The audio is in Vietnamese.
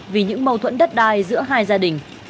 vì những mâu thuẫn đất đai giữa hai gia đình